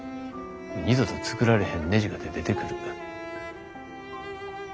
二度と作られへんねじかて出てくる。